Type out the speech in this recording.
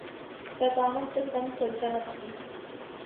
قدامت پسند سلطنت تھی۔